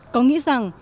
có nghĩa rằng